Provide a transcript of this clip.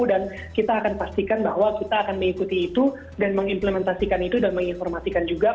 dan kita akan pastikan bahwa kita akan mengikuti itu dan mengimplementasikan itu dan menginformatikan juga